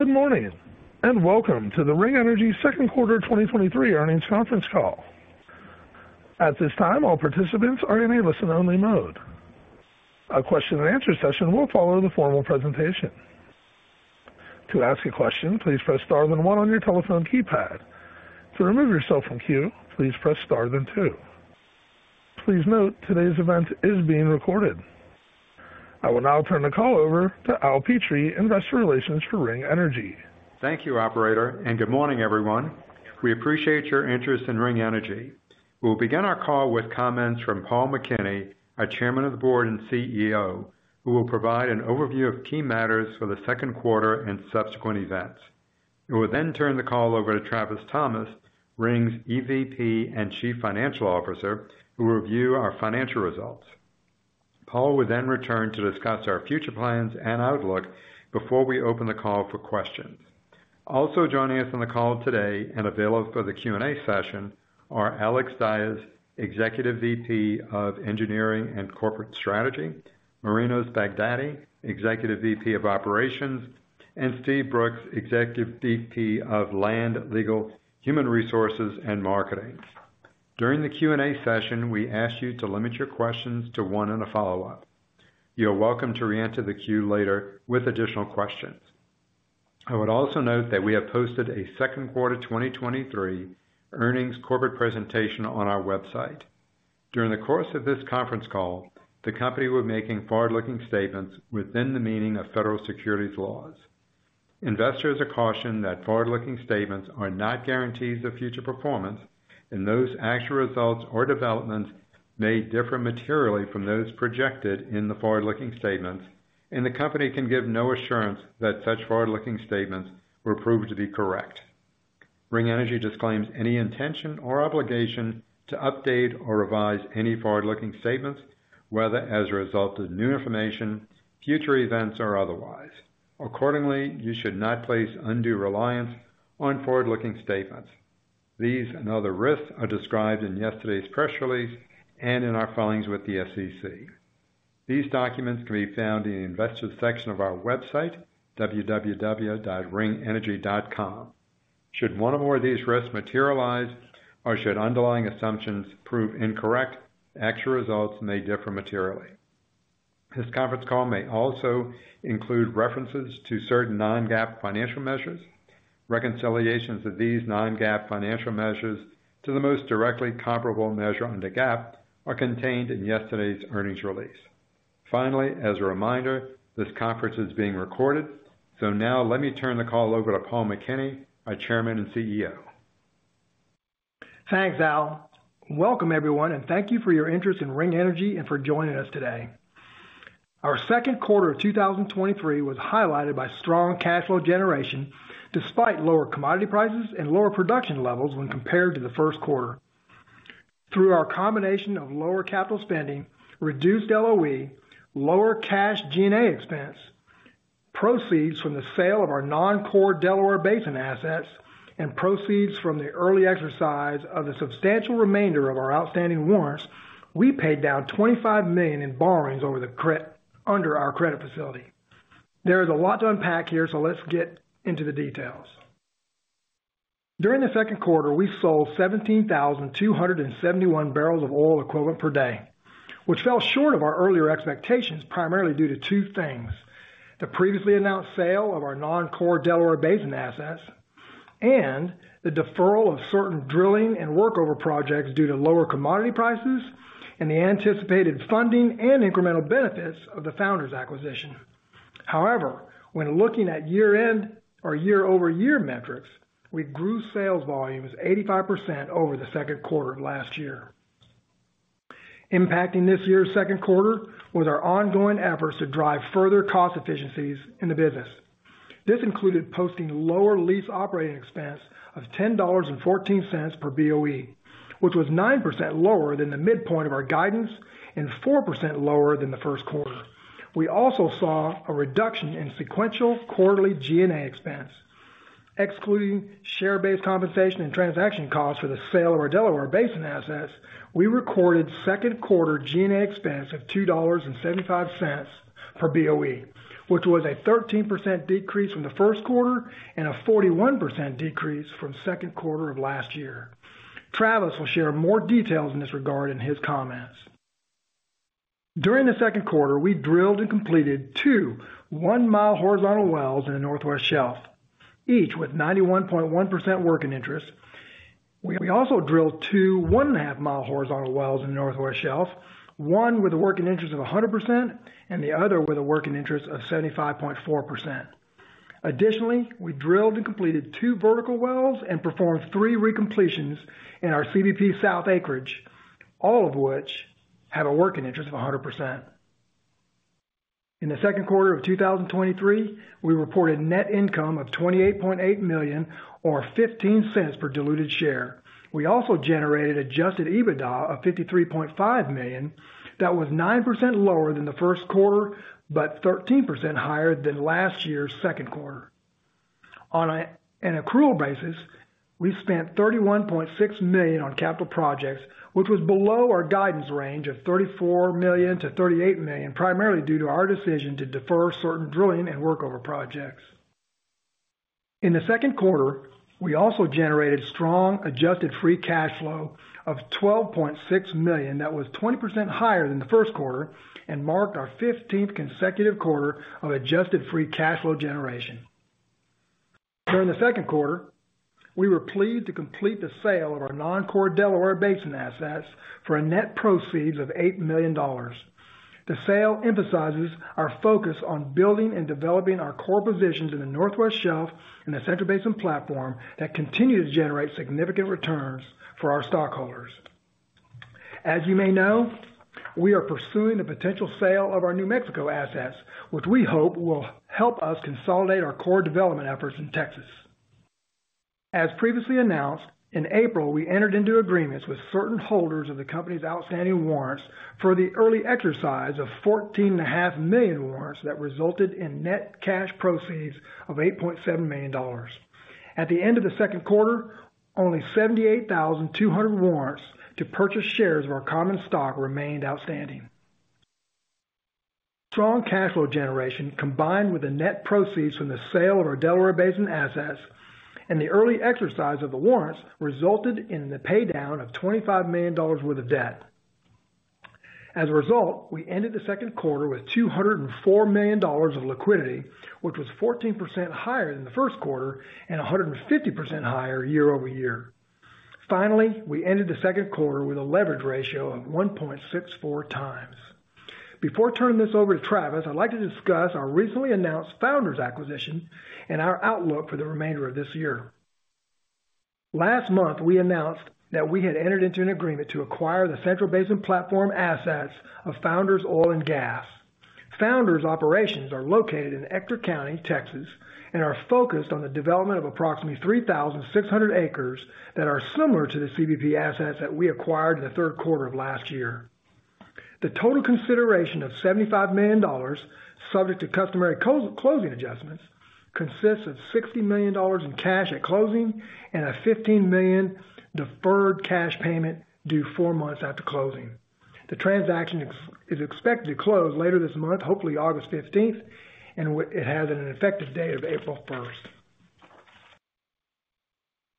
Good morning, and welcome to the Ring Energy second quarter 2023 earnings conference call. At this time, all participants are in a listen-only mode. A question and answer session will follow the formal presentation. To ask a question, please press star then 1 on your telephone keypad. To remove yourself from queue, please press star then 2. Please note, today's event is being recorded. I will now turn the call over to Al Petrie, Investor Relations for Ring Energy. Thank you, operator. Good morning, everyone. We appreciate your interest in Ring Energy. We'll begin our call with comments from Paul McKinney, our Chairman of the Board and CEO, who will provide an overview of key matters for the second quarter and subsequent events. We will turn the call over to Travis Thomas, Ring's EVP and Chief Financial Officer, who will review our financial results. Paul will then return to discuss our future plans and outlook before we open the call for questions. Joining us on the call today and available for the Q&A session are Alex Dyes You are welcome to reenter the queue later with additional questions. I would also note that we have posted a second quarter 2023 earnings corporate presentation on our website. During the course of this conference call, the company will be making forward-looking statements within the meaning of federal securities laws. Investors are cautioned that forward-looking statements are not guarantees of future performance, and those actual results or developments may differ materially from those projected in the forward-looking statements, and the company can give no assurance that such forward-looking statements will prove to be correct. Ring Energy disclaims any intention or obligation to update or revise any forward-looking statements, whether as a result of new information, future events, or otherwise. Accordingly, you should not place undue reliance on forward-looking statements. These and other risks are described in yesterday's press release and in our filings with the SEC. These documents can be found in the Investors section of our website, www.ringenergy.com. Should one or more of these risks materialize or should underlying assumptions prove incorrect, actual results may differ materially. This conference call may also include references to certain non-GAAP financial measures. Reconciliations of these non-GAAP financial measures to the most directly comparable measure under GAAP are contained in yesterday's earnings release. Finally, as a reminder, this conference is being recorded. Now let me turn the call over to Paul McKinney, our Chairman and CEO. Thanks, Al. Welcome, everyone, and thank you for your interest in Ring Energy and for joining us today. Our second quarter of 2023 was highlighted by strong cash flow generation, despite lower commodity prices and lower production levels when compared to the first quarter. Through our combination of lower capital spending, reduced LOE, lower cash G&A expense, proceeds from the sale of our non-core Delaware Basin assets, and proceeds from the early exercise of the substantial remainder of our outstanding warrants, we paid down $25 million in borrowings under our credit facility. There is a lot to unpack here, so let's get into the details. During the second quarter, we sold 17,271 barrels of oil equivalent per day, which fell short of our earlier expectations, primarily due to two things: the previously announced sale of our non-core Delaware Basin assets and the deferral of certain drilling and workover projects due to lower commodity prices and the anticipated funding and incremental benefits of the Founders acquisition. When looking at year-end or year-over-year metrics, we grew sales volumes 85% over the second quarter of last year. Impacting this year's second quarter was our ongoing efforts to drive further cost efficiencies in the business. This included posting lower lease operating expense of $10.14 per BOE, which was 9% lower than the midpoint of our guidance and 4% lower than the first quarter. We also saw a reduction in sequential quarterly G&A expense. Excluding share-based compensation and transaction costs for the sale of our Delaware Basin assets, we recorded second quarter G&A expense of $2.75 per BOE, which was a 13% decrease from the first quarter and a 41% decrease from second quarter of last year. Travis will share more details in this regard in his comments. During the second quarter, we drilled and completed 2 one-mile horizontal wells in the Northwest Shelf, each with 91.1% working interest. We also drilled 2 one-and-a-half-mile horizontal wells in the Northwest Shelf, one with a working interest of 100% and the other with a working interest of 75.4%. Additionally, we drilled and completed two vertical wells and performed three recompletions in our CBP South acreage, all of which have a working interest of 100%. In the second quarter of 2023, we reported net income of $28.8 million, or $0.15 per diluted share. We also generated adjusted EBITDA of $53.5 million. That was 9% lower than the first quarter, but 13% higher than last year's second quarter. On an accrual basis. We spent $31.6 million on capital projects, which was below our guidance range of $34 million-$38 million, primarily due to our decision to defer certain drilling and workover projects. In the second quarter, we also generated strong adjusted Free Cash Flow of $12.6 million. That was 20% higher than the first quarter and marked our 15th consecutive quarter of adjusted Free Cash Flow generation. During the second quarter, we were pleased to complete the sale of our non-core Delaware Basin assets for a net proceeds of $8 million. The sale emphasizes our focus on building and developing our core positions in the Northwest Shelf and the Central Basin Platform that continue to generate significant returns for our stockholders. As you may know, we are pursuing the potential sale of our New Mexico assets, which we hope will help us consolidate our core development efforts in Texas. As previously announced, in April, we entered into agreements with certain holders of the company's outstanding warrants for the early exercise of 14.5 million warrants that resulted in net cash proceeds of $8.7 million. At the end of the second quarter, only 78,200 warrants to purchase shares of our common stock remained outstanding. Strong cash flow generation, combined with the net proceeds from the sale of our Delaware Basin assets and the early exercise of the warrants, resulted in the paydown of $25 million worth of debt. As a result, we ended the second quarter with $204 million of liquidity, which was 14% higher than the first quarter and 150% higher year-over-year. Finally, we ended the second quarter with a leverage ratio of 1.64x. Before turning this over to Travis, I'd like to discuss our recently announced Founders acquisition and our outlook for the remainder of this year. Last month, we announced that we had entered into an agreement to acquire the Central Basin Platform assets of Founders Oil and Gas. Founders operations are located in Ector County, Texas, and are focused on the development of approximately 3,600 acres that are similar to the CBP assets that we acquired in the third quarter of last year. The total consideration of $75 million, subject to customary co-closing adjustments, consists of $60 million in cash at closing and a $15 million deferred cash payment due four months after closing. The transaction is expected to close later this month, hopefully August 15th, and it has an effective day of April 1st.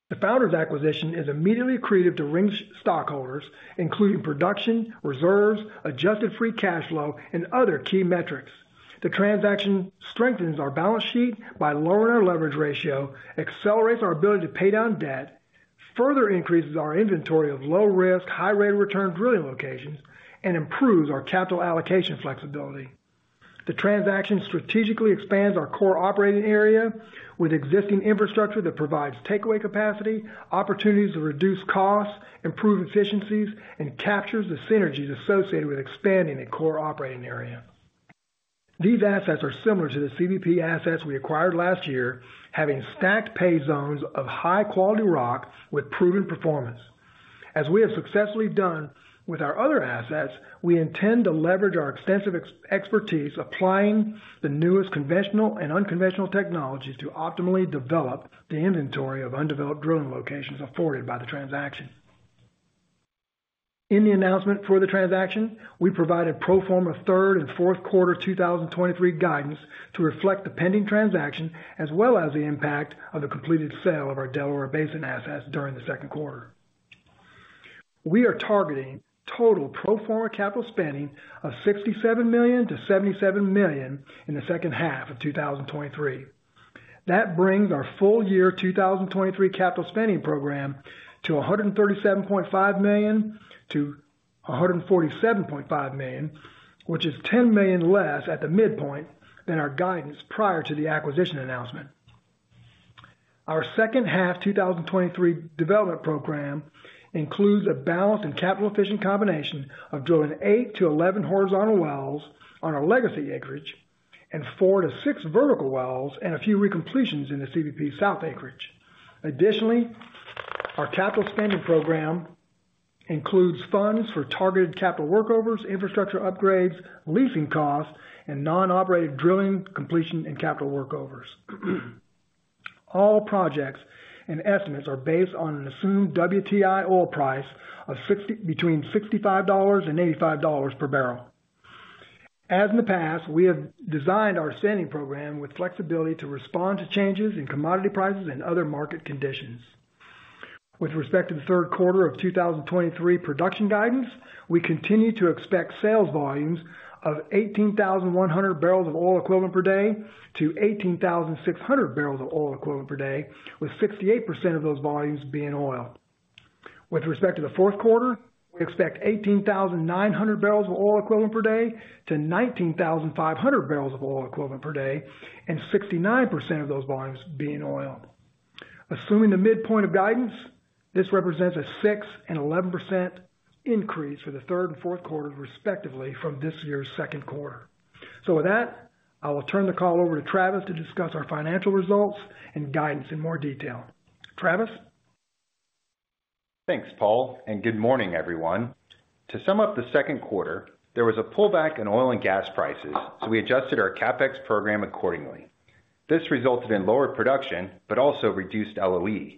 The Founders acquisition is immediately accretive to Ring's stockholders, including production, reserves, Adjusted Free Cash Flow, and other key metrics. The transaction strengthens our balance sheet by lowering our leverage ratio, accelerates our ability to pay down debt, further increases our inventory of low risk, high rate of return drilling locations, and improves our capital allocation flexibility. The transaction strategically expands our core operating area with existing infrastructure that provides takeaway capacity, opportunities to reduce costs, improve efficiencies, and captures the synergies associated with expanding the core operating area. These assets are similar to the CBP assets we acquired last year, having stacked pay zones of high-quality rock with proven performance. As we have successfully done with our other assets, we intend to leverage our extensive expertise, applying the newest conventional and unconventional technologies to optimally develop the inventory of undeveloped drilling locations afforded by the transaction. In the announcement for the transaction, we provided pro forma third and fourth quarter 2023 guidance to reflect the pending transaction, as well as the impact of the completed sale of our Delaware Basin assets during the second quarter. We are targeting total pro forma capital spending of $67 million-$77 million in the second half of 2023. Brings our full year 2023 capital spending program to $137.5 million-$147.5 million, which is $10 million less at the midpoint than our guidance prior to the acquisition announcement. Our second half 2023 development program includes a balanced and capital efficient combination of drilling 8-11 horizontal wells on our legacy acreage and 4-6 vertical wells and a few recompletions in the CBP South acreage. Additionally, our capital spending program includes funds for targeted capital workovers, infrastructure upgrades, leasing costs, and non-operated drilling, completion, and capital workovers. All projects and estimates are based on an assumed WTI oil price between $65 and $85 per barrel. As in the past, we have designed our spending program with flexibility to respond to changes in commodity prices and other market conditions. With respect to the third quarter of 2023 production guidance, we continue to expect sales volumes of 18,100-18,600 barrels of oil equivalent per day, with 68% of those volumes being oil. With respect to the fourth quarter, we expect 18,900-19,500 barrels of oil equivalent per day, and 69% of those volumes being oil. Assuming the midpoint of guidance, this represents a 6% and 11% increase for the third and fourth quarters, respectively, from this year's second quarter. With that, I will turn the call over to Travis to discuss our financial results and guidance in more detail. Travis? Thanks, Paul. Good morning, everyone. To sum up the second quarter, there was a pullback in oil and gas prices. We adjusted our CapEx program accordingly. This resulted in lower production but also reduced LOE.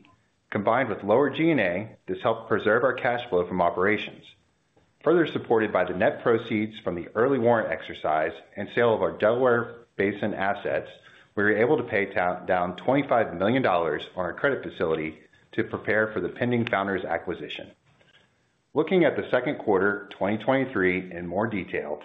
Combined with lower G&A, this helped preserve our cash flow from operations. Further supported by the net proceeds from the early warrant exercise and sale of our Delaware Basin assets, we were able to pay down $25 million on our credit facility to prepare for the pending Founders acquisition. Looking at the second quarter, 2023, in more detail,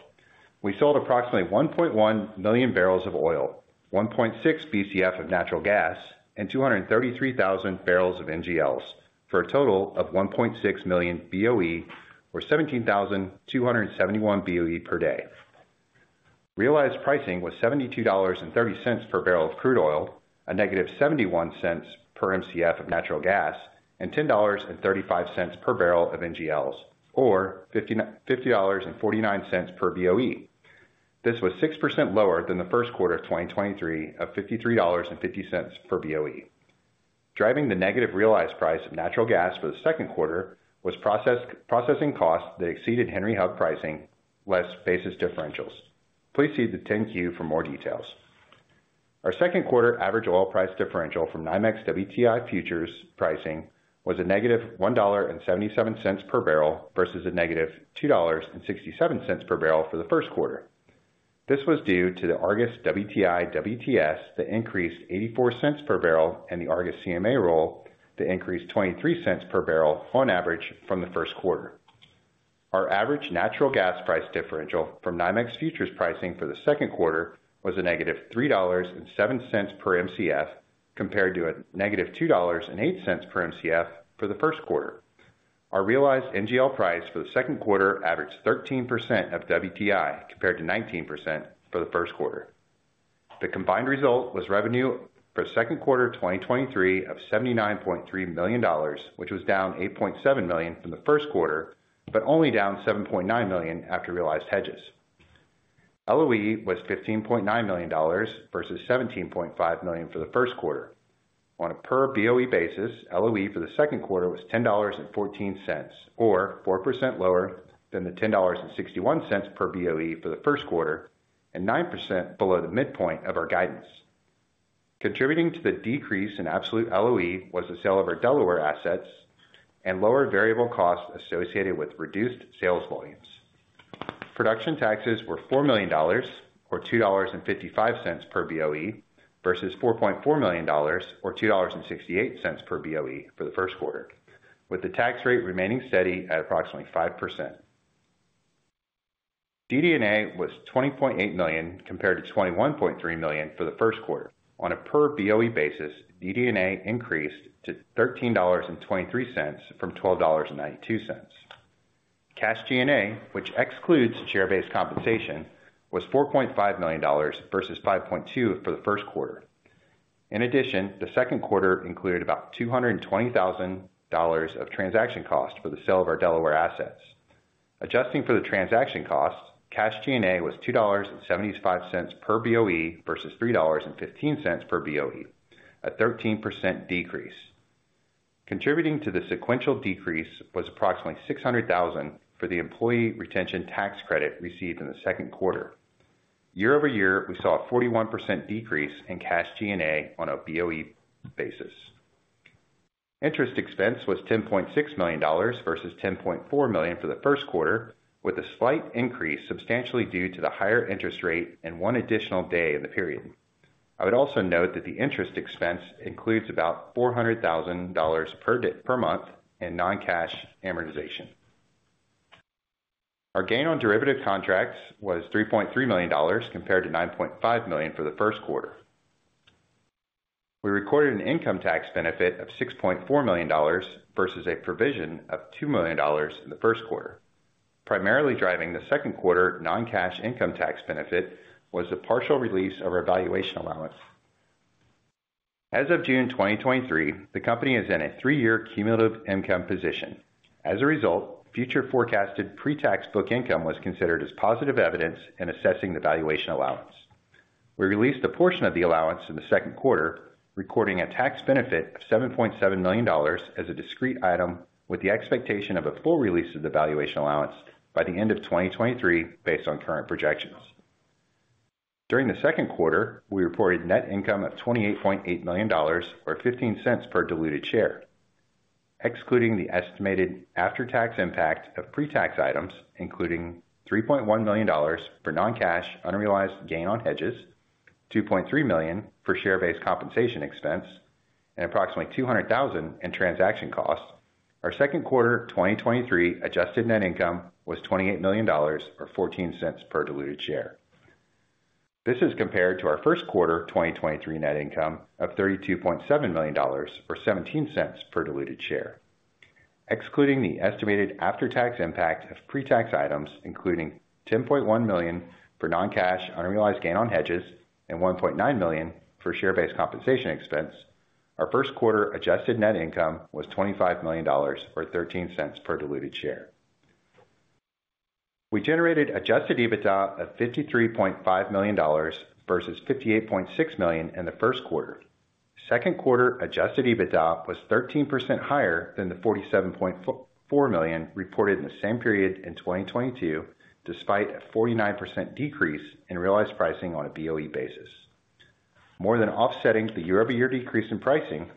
we sold approximately 1.1 million barrels of oil, 1.6 BCF of natural gas, and 233,000 barrels of NGLs, for a total of 1.6 million BOE or 17,271 BOE per day. Realized pricing was $72.30 per barrel of crude oil, a negative $0.71 per Mcf of natural gas, and $10.35 per barrel of NGLs, or $50.49 per BOE. This was 6% lower than the first quarter of 2023 of $53.50 per BOE. Driving the negative realized price of natural gas for the second quarter was processing costs that exceeded Henry Hub pricing, less basis differentials. Please see the 10-Q for more details. Our second quarter average oil price differential from NYMEX WTI futures pricing was a negative $1.77 per barrel versus a negative $2.67 per barrel for the first quarter. This was due to the Argus WTI/WTS that increased $0.84 per barrel, and the Argus CMA roll that increased $0.23 per barrel on average from the first quarter. Our average natural gas price differential from NYMEX futures pricing for the second quarter was -$3.07 per Mcf, compared to -$2.08 per Mcf for the first quarter. Our realized NGL price for the second quarter averaged 13% of WTI, compared to 19% for the first quarter. The combined result was revenue for the second quarter 2023 of $79.3 million, which was down $8.7 million from the first quarter, but only down $7.9 million after realized hedges. LOE was $15.9 million versus $17.5 million for the first quarter. On a per BOE basis, LOE for the second quarter was $10.14, or 4% lower than the $10.61 per BOE for the first quarter and 9% below the midpoint of our guidance. Contributing to the decrease in absolute LOE was the sale of our Delaware assets and lower variable costs associated with reduced sales volumes. Production taxes were $4 million, or $2.55 per BOE, versus $4.4 million, or $2.68 per BOE for the first quarter, with the tax rate remaining steady at approximately 5%. G&A was $20.8 million, compared to $21.3 million for the first quarter. On a per BOE basis, G&A increased to $13.23 from $12.92. Cash G&A, which excludes share-based compensation, was $4.5 million versus $5.2 million for the first quarter. The second quarter included about $220,000 of transaction costs for the sale of our Delaware assets. Adjusting for the transaction costs, Cash G&A was $2.75 per BOE versus $3.15 per BOE, a 13% decrease. Contributing to the sequential decrease was approximately $600,000 for the Employee Retention Tax Credit received in the second quarter. Year-over-year, we saw a 41% decrease in Cash G&A on a BOE basis. Interest expense was $10.6 million versus $10.4 million for the first quarter, with a slight increase substantially due to the higher interest rate and one additional day in the period. I would also note that the interest expense includes about $400,000 per month in non-cash amortization. Our gain on derivative contracts was $3.3 million, compared to $9.5 million for the first quarter. We recorded an income tax benefit of $6.4 million versus a provision of $2 million in the first quarter. Primarily driving the second quarter non-cash income tax benefit was the partial release of our valuation allowance. As of June 2023, the company is in a three-year cumulative income position. As a result, future forecasted pre-tax book income was considered as positive evidence in assessing the valuation allowance. We released a portion of the allowance in the second quarter, recording a tax benefit of $7.7 million as a discrete item, with the expectation of a full release of the valuation allowance by the end of 2023, based on current projections. During the second quarter, we reported net income of $28.8 million, or $0.15 per diluted share. Excluding the estimated after-tax impact of pre-tax items, including $3.1 million for non-cash, unrealized gain on hedges, $2.3 million for share-based compensation expense, and approximately $200,000 in transaction costs, our second quarter 2023 adjusted net income was $28 million or $0.14 per diluted share. This is compared to our first quarter 2023 net income of $32.7 million or $0.17 per diluted share. Excluding the estimated after-tax impact of pre-tax items, including $10.1 million for non-cash, unrealized gain on hedges, and $1.9 million for share-based compensation expense, our first quarter adjusted net income was $25 million or $0.13 per diluted share. We generated adjusted EBITDA of $53.5 million versus $58.6 million in the first quarter. Second quarter adjusted EBITDA was 13% higher than the $47.4 million reported in the same period in 2022, despite a 49% decrease in realized pricing on a BOE basis. More than offsetting the year-over-year decrease in pricing,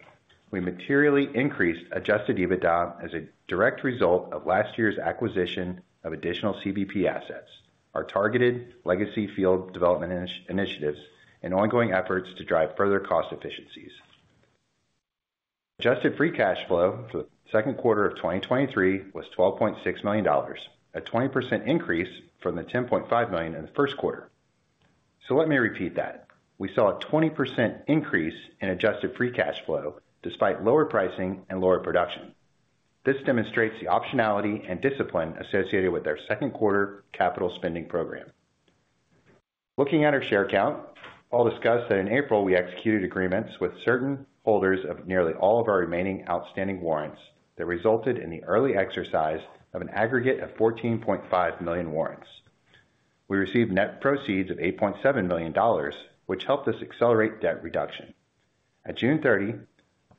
we materially increased adjusted EBITDA as a direct result of last year's acquisition of additional CBP assets, our targeted legacy field development initiatives, and ongoing efforts to drive further cost efficiencies. Adjusted Free Cash Flow for the second quarter of 2023 was $12.6 million, a 20% increase from the $10.5 million in the first quarter. Let me repeat that. We saw a 20% increase in Adjusted Free Cash Flow despite lower pricing and lower production. This demonstrates the optionality and discipline associated with our second quarter capital spending program. Looking at our share count, I'll discuss that in April, we executed agreements with certain holders of nearly all of our remaining outstanding warrants that resulted in the early exercise of an aggregate of 14.5 million warrants. We received net proceeds of $8.7 million, which helped us accelerate debt reduction. At June 30th,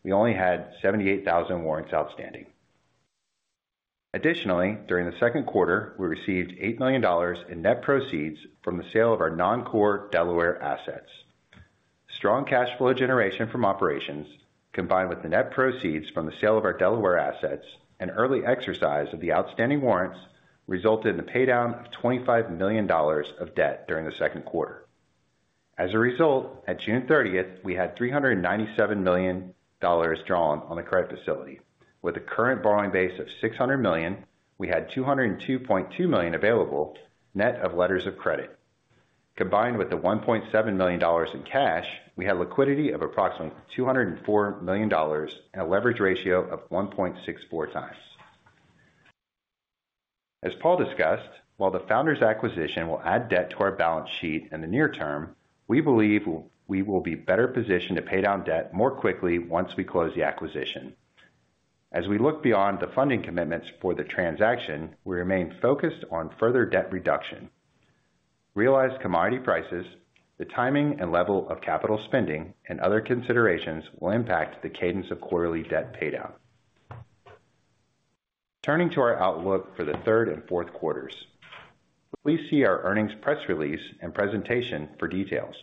we only had 78,000 warrants outstanding. Additionally, during the second quarter, we received $8 million in net proceeds from the sale of our non-core Delaware assets. Strong cash flow generation from operations, combined with the net proceeds from the sale of our Delaware assets and early exercise of the outstanding warrants, resulted in the paydown of $25 million of debt during the second quarter. As a result, at June 30th, we had $397 million drawn on the credit facility. With a current borrowing base of $600 million, we had $202.2 million available, net of letters of credit. Combined with the $1.7 million in cash, we had liquidity of approximately $204 million and a leverage ratio of 1.64 times. As Paul discussed, while the Founders acquisition will add debt to our balance sheet in the near term, we believe we will be better positioned to pay down debt more quickly once we close the acquisition. As we look beyond the funding commitments for the transaction, we remain focused on further debt reduction. Realized commodity prices, the timing and level of capital spending, and other considerations will impact the cadence of quarterly debt paydown. Turning to our outlook for the third and fourth quarters, please see our earnings press release and presentation for details.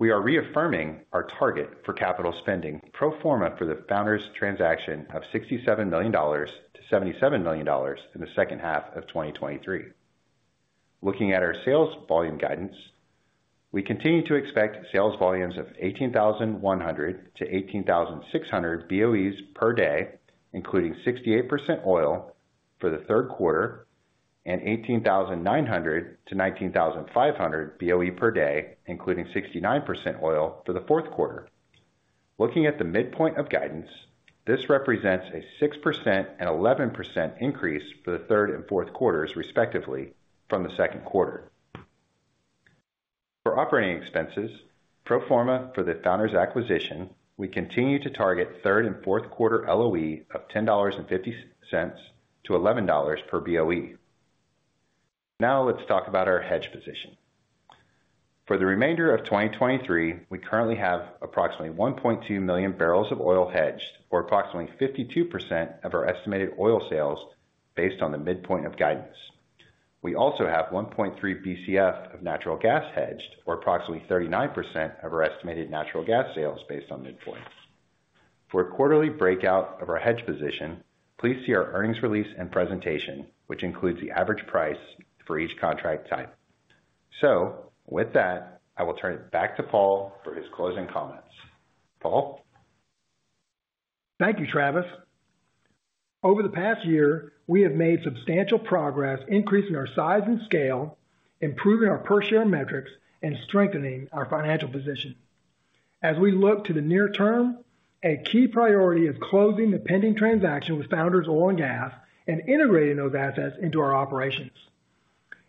We are reaffirming our target for capital spending pro forma for the Founders transaction of $67 million-$77 million in the second half of 2023. Looking at our sales volume guidance, we continue to expect sales volumes of 18,100-18,600 BOEs per day, including 68% oil for the third quarter, and 18,900-19,500 BOE per day, including 69% oil for the fourth quarter. Looking at the midpoint of guidance, this represents a 6% and 11% increase for the third and fourth quarters, respectively, from the second quarter. For operating expenses, pro forma for the Founders acquisition, we continue to target third and fourth quarter LOE of $10.50-$11 per BOE. Let's talk about our hedge position. For the remainder of 2023, we currently have approximately 1.2 million barrels of oil hedged, or approximately 52% of our estimated oil sales, based on the midpoint of guidance. We also have 1.3 BCF of natural gas hedged, or approximately 39% of our estimated natural gas sales, based on midpoint. For a quarterly breakout of our hedge position, please see our earnings release and presentation, which includes the average price for each contract type. With that, I will turn it back to Paul for his closing comments. Paul? Thank you, Travis. Over the past year, we have made substantial progress increasing our size and scale, improving our per share metrics, and strengthening our financial position. As we look to the near term, a key priority is closing the pending transaction with Founders Oil and Gas and integrating those assets into our operations.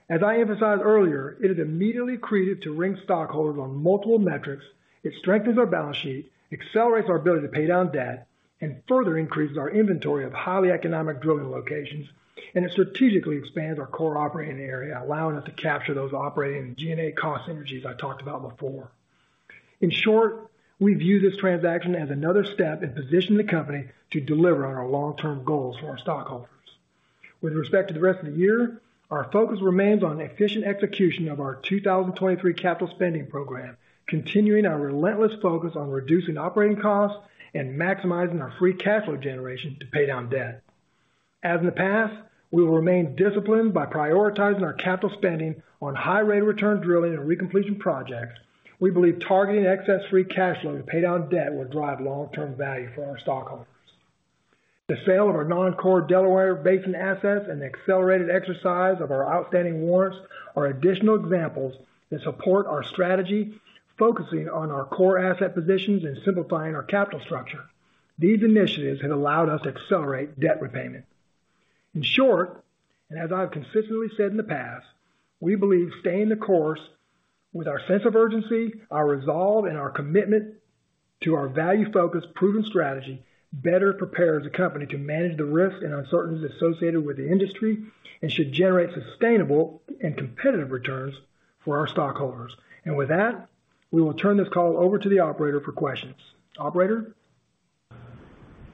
As I emphasized earlier, it is immediately accretive to Ring stockholders on multiple metrics, it strengthens our balance sheet, accelerates our ability to pay down debt, and further increases our inventory of highly economic drilling locations, and it strategically expands our core operating area, allowing us to capture those operating G&A cost synergies I talked about before. In short, we view this transaction as another step in positioning the company to deliver on our long-term goals for our stockholders. With respect to the rest of the year, our focus remains on efficient execution of our 2023 capital spending program, continuing our relentless focus on reducing operating costs and maximizing our free cash flow generation to pay down debt. As in the past, we will remain disciplined by prioritizing our capital spending on high-rate return drilling and recompletion projects. We believe targeting excess free cash flow to pay down debt will drive long-term value for our stockholders. The sale of our non-core Delaware Basin assets and the accelerated exercise of our outstanding warrants are additional examples that support our strategy, focusing on our core asset positions and simplifying our capital structure. These initiatives have allowed us to accelerate debt repayment. In short, and as I've consistently said in the past, we believe staying the course, with our sense of urgency, our resolve, and our commitment to our value-focused, proven strategy, better prepares the company to manage the risks and uncertainties associated with the industry, and should generate sustainable and competitive returns for our stockholders. With that, we will turn this call over to the operator for questions. Operator?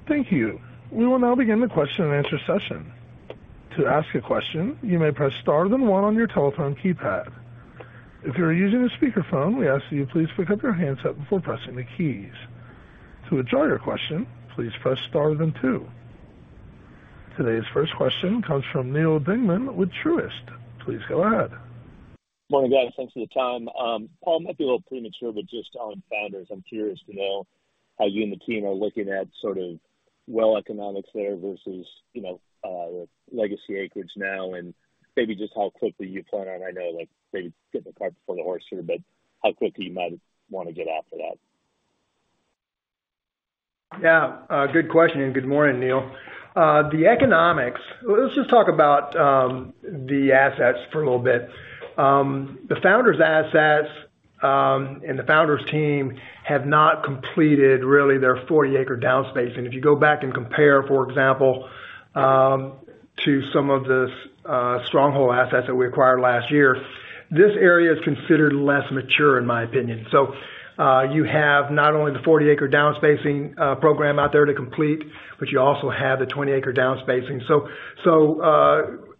Thank you. We will now begin the question and answer session. To ask a question, you may press star then one on your telephone keypad. If you are using a speakerphone, we ask that you please pick up your handset before pressing the keys. To withdraw your question, please press star then two. Today's first question comes from Neal Dingmann with Truist. Please go ahead. Morning, guys. Thanks for the time. Paul, it might be a little premature, but just on Founders, I'm curious to know how you and the team are looking at sort of well economics there versus, you know, legacy acreage now, and maybe just how quickly you plan on, I know, like, maybe getting the cart before the horse here, but how quickly you might want to get after that? Yeah, good question, good morning, Neal. The economics-- Let's just talk about the assets for a little bit. The Founders assets, the Founders team have not completed really their 40-acre downspace. If you go back and compare, for example, to some of the S- Stronghold assets that we acquired last year, this area is considered less mature, in my opinion. You have not only the 40-acre downspacing program out there to complete, but you also have the 20-acre downspacing.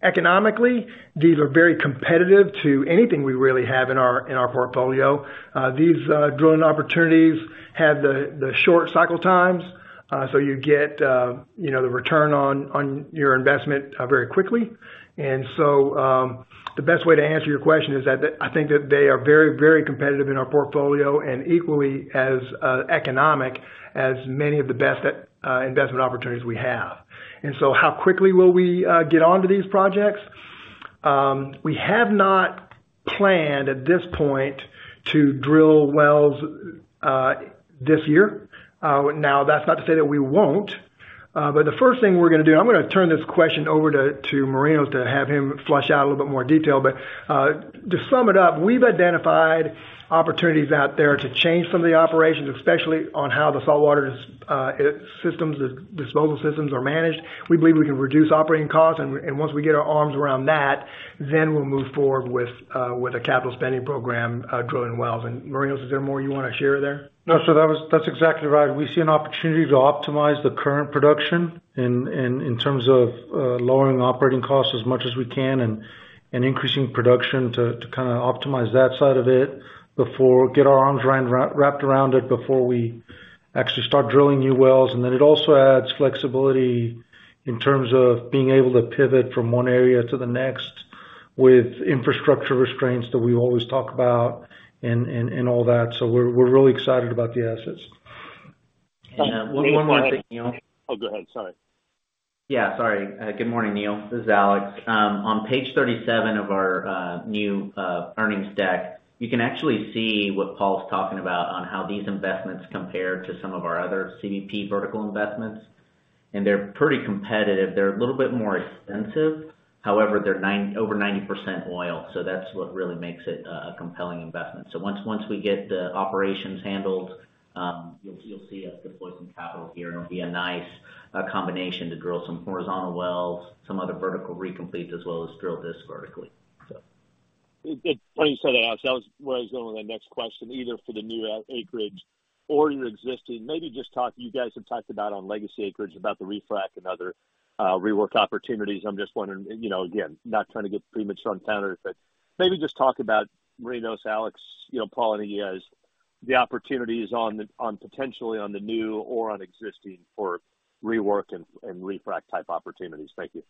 Economically, these are very competitive to anything we really have in our, in our portfolio. These drilling opportunities have the, the short cycle times, so you get, you know, the return on, on your investment very quickly. The best way to answer your question is that, I think that they are very, very competitive in our portfolio and equally as economic as many of the best investment opportunities we have. How quickly will we get onto these projects? We have not planned at this point to drill wells this year. Now, that's not to say that we won't, but the first thing we're gonna do, I'm gonna turn this question over to Marinos to have him flush out a little bit more detail. To sum it up, we've identified opportunities out there to change some of the operations, especially on how the saltwater dis- systems, the disposal systems are managed. We believe we can reduce operating costs, and once we get our arms around that, then we'll move forward with, with a capital spending program, drilling wells. Marinos, is there more you want to share there? No, that was, that's exactly right. We see an opportunity to optimize the current production in terms of lowering operating costs as much as we can and increasing production to kinda optimize that side of it before we get our arms around, wrapped around it, before we actually start drilling new wells. It also adds flexibility in terms of being able to pivot from one area to the next, with infrastructure restraints that we always talk about and all that. We're really excited about the assets. One more thing, Neal. Oh, go ahead. Sorry. Yeah, sorry. Good morning, Neal. This is Alex. On page 37 of our new earnings deck, you can actually see what Paul's talking about on how these investments compare to some of our other CBP vertical investments. They're pretty competitive. They're a little bit more expensive. However, they're over 90% oil, so that's what really makes it a compelling investment. Once, once we get the operations handled, you'll see us deploy some capital here, and it'll be a nice combination to drill some horizontal wells, some other vertical recompletes, as well as drill this vertically. Good. When you say that, Alex, that was where I was going with my next question, either for the new acreage or your existing. You guys have talked about on legacy acreage, about the refrac and other rework opportunities. I'm just wondering, you know, again, not trying to get premature on Founders, but maybe just talk about Marinos, Alex, you know, Paul, any of you guys, the opportunities on potentially on the new or on existing for rework and refrac type opportunities. Thank you.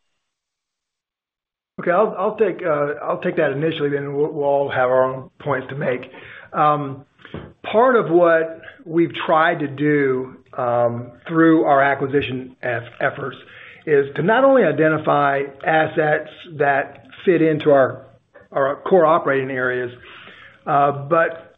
Okay. I'll, I'll take, I'll take that initially, then we'll, we'll all have our own points to make. Part of what we've tried to do, through our acquisition efforts is to not only identify assets that fit into our, our core operating areas, but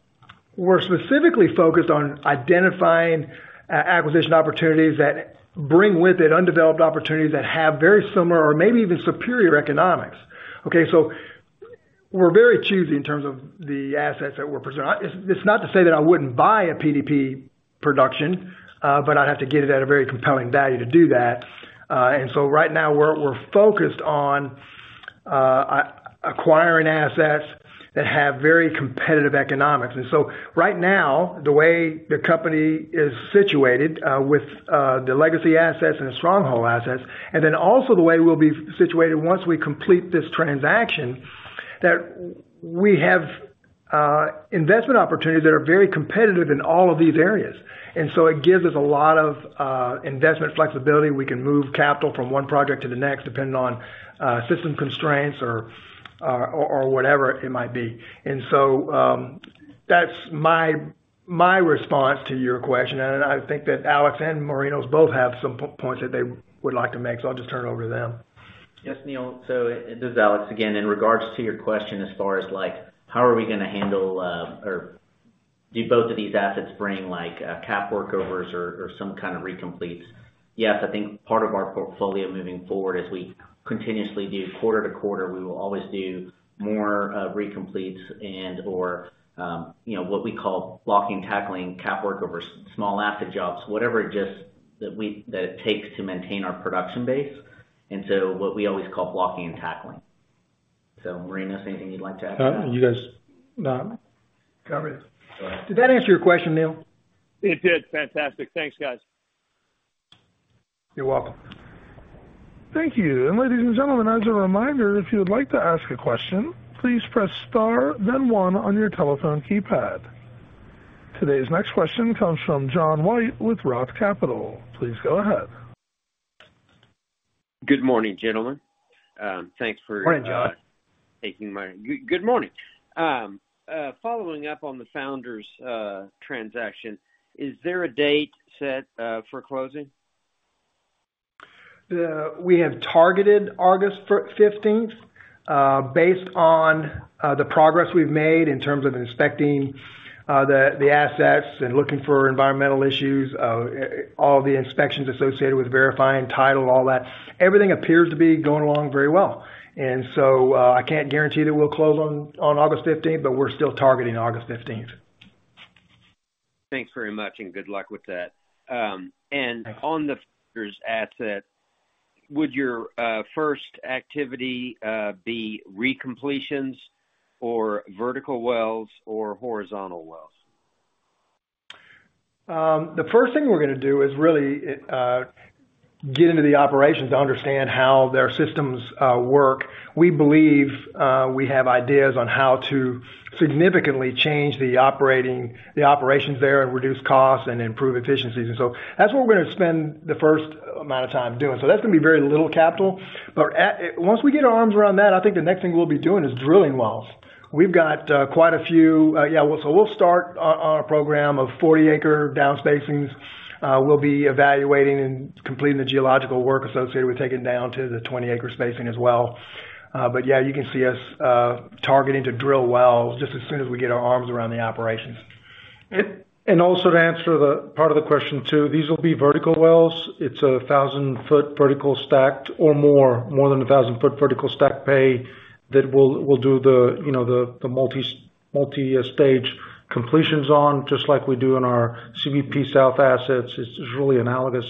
we're specifically focused on identifying acquisition opportunities that bring with it undeveloped opportunities that have very similar or maybe even superior economics. Okay, so we're very choosy in terms of the assets that we're presenting. It's, it's not to say that I wouldn't buy a PDP production, but I'd have to get it at a very compelling value to do that. So right now we're, we're focused on, acquiring assets that have very competitive economics. Right now, the way the company is situated, with the legacy assets and the Stronghold assets, and then also the way we'll be situated once we complete this transaction, that we have investment opportunities that are very competitive in all of these areas. It gives us a lot of investment flexibility. We can move capital from one project to the next, depending on system constraints or whatever it might be. That's my response to your question, and I think that Alex and Marinos both have some points that they would like to make, so I'll just turn it over to them. Yes, Neal. This is Alex again, in regards to your question as far as, like, how are we gonna handle, or do both of these assets bring, like, cap workovers or, or some kind of recompletes? Yes, I think part of our portfolio moving forward, as we continuously do quarter to quarter, we will always do more recompletes and, or, you know, what we call blocking, tackling, cap workovers, small asset jobs, whatever it just that it takes to maintain our production base, what we always call blocking and tackling. Marinos, anything you'd like to add to that? You guys, no, got it. Go ahead. Did that answer your question, Neal? It did. Fantastic. Thanks, guys. You're welcome. Thank you. Ladies and gentlemen, as a reminder, if you would like to ask a question, please press star then 1 on your telephone keypad. Today's next question comes from John White with Roth Capital. Please go ahead. Good morning, gentlemen. Thanks. Morning, John. Good, good morning. Following up on the Founders transaction, is there a date set for closing? We have targeted August 15th, based on the progress we've made in terms of inspecting the assets and looking for environmental issues, all the inspections associated with verifying title, all that. Everything appears to be going along very well. I can't guarantee that we'll close on August 15th, but we're still targeting August 15th. Thanks very much, and good luck with that. On the Founders asset, would your first activity be recompletions, or vertical wells, or horizontal wells? The first thing we're gonna do is really get into the operations to understand how their systems work. We believe we have ideas on how to significantly change the operating, the operations there and reduce costs and improve efficiencies. That's what we're gonna spend the first amount of time doing. That's gonna be very little capital. Once we get our arms around that, I think the next thing we'll be doing is drilling wells. We've got quite a few. Yeah, we'll start on a program of 40-acre down spacings. We'll be evaluating and completing the geological work associated with taking it down to the 20-acre spacing as well. Yeah, you can see us targeting to drill wells just as soon as we get our arms around the operations. Also, to answer the part of the question, too, these will be vertical wells. It's a 1,000-foot vertical stacked or more, more than a 1,000-foot vertical stack pay that we'll, we'll do the, you know, multi- multi-stage completions on, just like we do in our CBP South assets. It's really analogous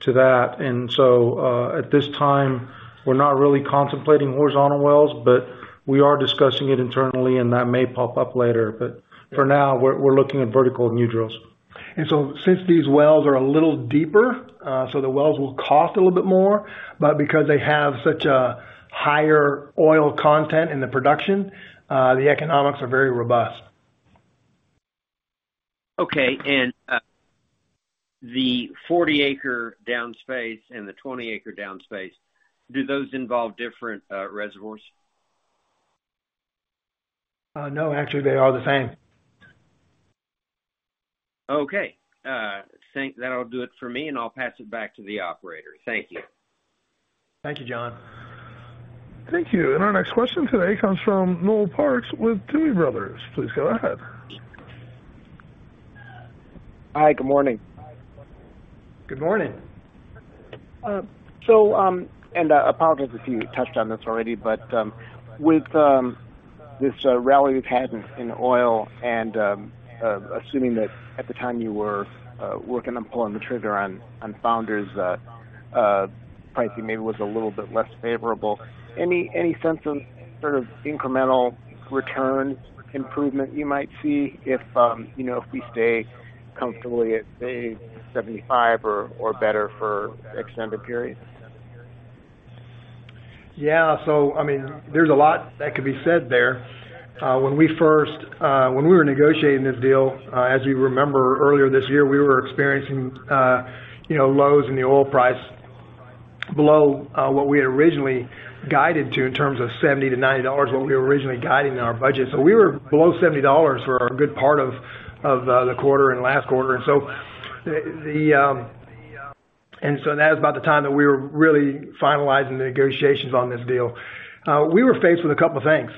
to that. At this time, we're not really contemplating horizontal wells, but we are discussing it internally, and that may pop up later. For now, we're looking at vertical new drills. Since these wells are a little deeper, the wells will cost a little bit more, but because they have such a higher oil content in the production, the economics are very robust. Okay. The 40-acre down space and the 20-acre down space, do those involve different reservoirs? No, actually, they are the same. Okay. think that'll do it for me, I'll pass it back to the operator. Thank you. Thank you, John. Thank you. Our next question today comes from Noel Parks with Tuohy Brothers. Please go ahead. Hi, good morning. Good morning. I apologize if you touched on this already, but with this rally we've had in, in oil and assuming that at the time you were working on pulling the trigger on Founders, pricing maybe was a little bit less favorable, any, any sense of sort of incremental return improvement you might see if, you know, if we stay comfortably at say, $75 or better for extended periods? Yeah. I mean, there's a lot that could be said there. When we first, when we were negotiating this deal, as you remember earlier this year, we were experiencing, you know, lows in the oil price below what we had originally guided to in terms of $70-$90, what we were originally guiding in our budget. We were below $70 for a good part of the quarter and last quarter. That was about the time that we were really finalizing the negotiations on this deal. We were faced with a couple of things.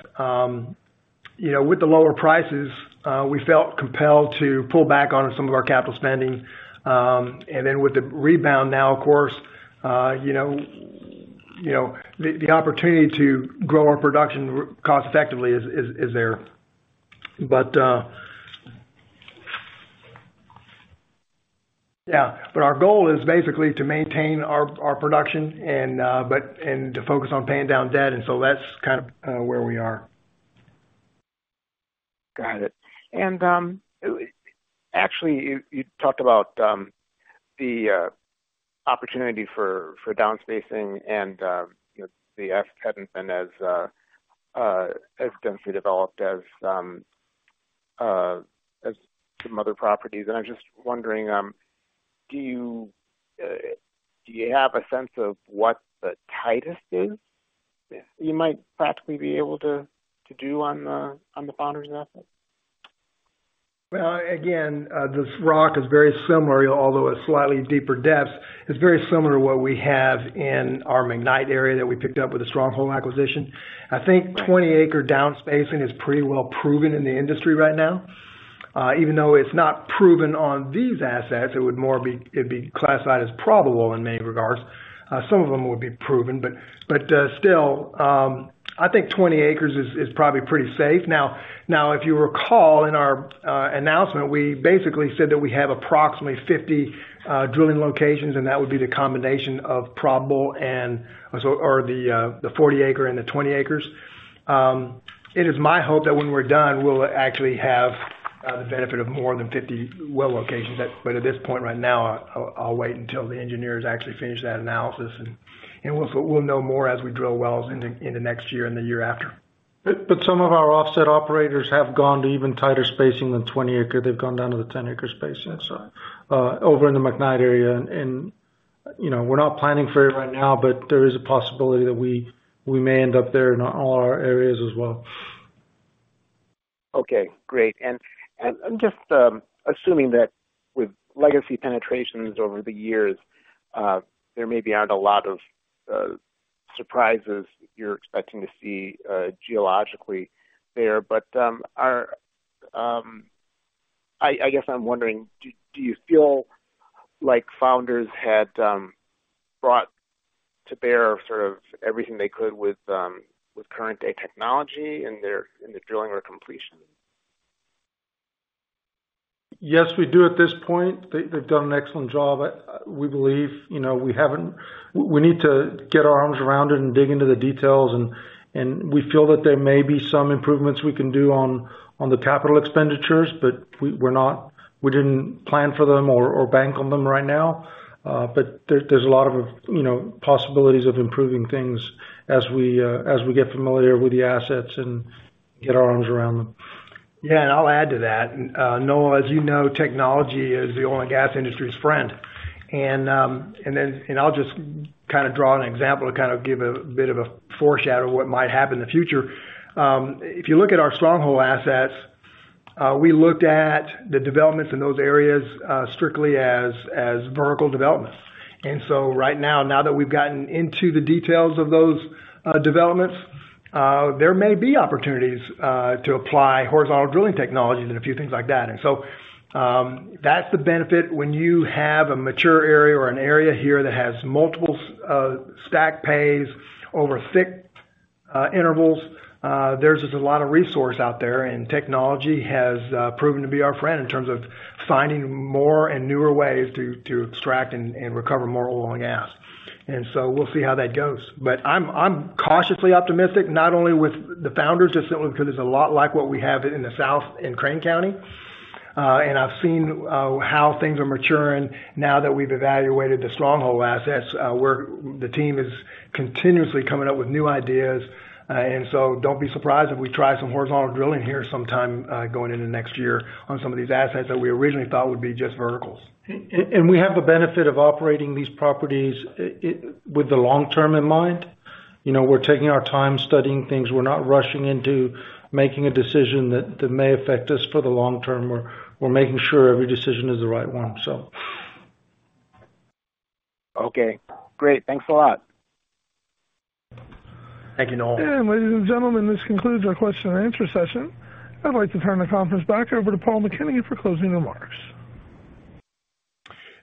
You know, with the lower prices, we felt compelled to pull back on some of our capital spending. With the rebound now, of course, you know, you know, the opportunity to grow our production cost effectively is, is, is there. Our goal is basically to maintain our production and to focus on paying down debt, that's kind of where we are. Got it. Actually, you, you talked about, the opportunity for, for downspacing and, you know, the F hadn't been as, as densely developed as, as some other properties. I'm just wondering, do you, do you have a sense of what the tightest is, you might practically be able to, to do on the, on the Founders asset? Well, again, this rock is very similar, although a slightly deeper depth. It's very similar to what we have in our Magnite area that we picked up with a Stronghold acquisition. I think 20-acre downspacing is pretty well proven in the industry right now. Even though it's not proven on these assets, it would more be, it'd be classified as probable in many regards. Some of them would be proven, but, but still, I think 20 acres is, is probably pretty safe. Now, now, if you recall, in our announcement, we basically said that we have approximately 50 drilling locations, and that would be the combination of probable and-- or so, or the, the 40-acre and the 20 acres. It is my hope that when we're done, we'll actually have the benefit of more than 50 well locations. At this point, right now, I'll wait until the engineers actually finish that analysis, and we'll know more as we drill wells in the next year and the year after. Some of our offset operators have gone to even tighter spacing than 20 acre. They've gone down to the 10 acre spacing. That's right. Over in the McKnight area, and, you know, we're not planning for it right now, but there is a possibility that we, we may end up there in all our areas as well. Okay, great. I'm just assuming that with legacy penetrations over the years, there maybe aren't a lot of surprises you're expecting to see geologically there. I guess I'm wondering, do you feel like Founders had brought to bear sort of everything they could with current-day technology in their drilling or completion? Yes, we do at this point. They've done an excellent job at, we believe. You know, we haven't-- we need to get our arms around it and dig into the details, and we feel that there may be some improvements we can do on the capital expenditures, but we're not. We didn't plan for them or bank on them right now. There's a lot of you know, possibilities of improving things as we get familiar with the assets and get our arms around them. Yeah, I'll add to that. Noah, as you know, technology is the oil and gas industry's friend. I'll just kind of draw an example to kind of give a bit of a foreshadow of what might happen in the future. If you look at our Stronghold assets, we looked at the developments in those areas, strictly as, as vertical developments. Right now, now that we've gotten into the details of those developments, there may be opportunities to apply horizontal drilling technologies and a few things like that. That's the benefit when you have a mature area or an area here that has multiple, stack pays over thick, intervals. There's just a lot of resource out there, and technology has proven to be our friend in terms of finding more and newer ways to, to extract and, and recover more oil and gas. So we'll see how that goes. I'm, I'm cautiously optimistic, not only with the Founders, just because it's a lot like what we have in the South, in Crane County. I've seen how things are maturing now that we've evaluated the Stronghold assets, where the team is continuously coming up with new ideas. So don't be surprised if we try some horizontal drilling here sometime going into next year on some of these assets that we originally thought would be just verticals. We have the benefit of operating these properties with the long term in mind. You know, we're taking our time studying things. We're not rushing into making a decision that, that may affect us for the long term. We're, we're making sure every decision is the right one, so. Okay, great. Thanks a lot. Thank you, Noah. Ladies and gentlemen, this concludes our question and answer session. I'd like to turn the conference back over to Paul McKinney for closing remarks.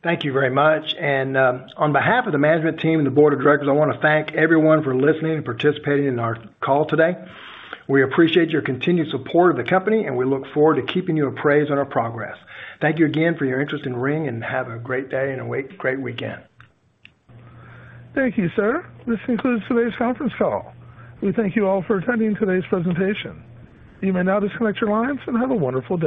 Thank you very much, and on behalf of the management team and the board of directors, I wanna thank everyone for listening and participating in our call today. We appreciate your continued support of the company, and we look forward to keeping you appraised on our progress. Thank you again for your interest in Ring, and have a great day and a great weekend. Thank you, sir. This concludes today's conference call. We thank you all for attending today's presentation. You may now disconnect your lines, and have a wonderful day.